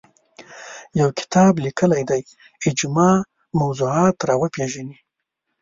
یو کتاب لیکلی دی اجماع موضوعات راوپېژني